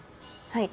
はい。